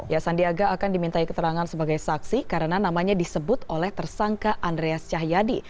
ya sandiaga akan dimintai keterangan sebagai saksi karena namanya disebut oleh tersangka andreas cahyadi